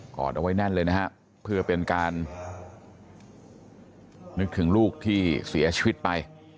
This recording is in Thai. อดเอาไว้แน่นเลยนะฮะเพื่อเป็นการนึกถึงลูกที่เสียชีวิตไป